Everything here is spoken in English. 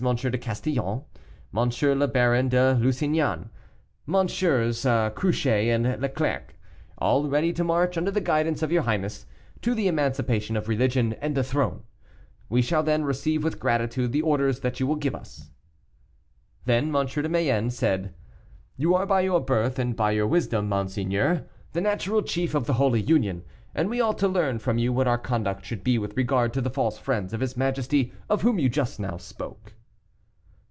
de Castillon, M. le Baron de Lusignan, MM. Cruce and Leclerc, all ready to march under the guidance of your highness, to the emancipation of religion and the throne. We shall, then, receive with gratitude the orders that you will give us." Then M. de Mayenne said: "You are by your birth, and by your wisdom, monseigneur, the natural chief of the Holy Union, and we ought to learn from you what our conduct should be with regard to the false friends of his majesty of whom you just now spoke."